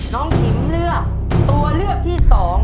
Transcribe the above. น้องถิ่มเลือกตัวเลือกที่๒